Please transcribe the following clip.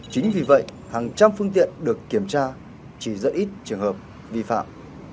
chính vì vậy hàng trăm phương tiện được kiểm tra chỉ dẫn ít trường hợp vi phạm